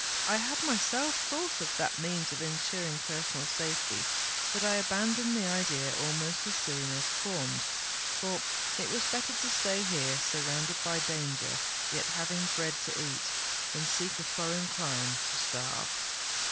"I had myself thought of that means of ensuring personal safety: but I abandoned the idea almost as soon as formed—for it was better to stay here, surrounded by danger, yet having bread to eat, than seek a foreign clime to starve!"